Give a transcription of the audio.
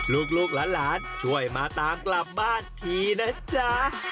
ลูกหลานช่วยมาตามกลับบ้านทีนะจ๊ะ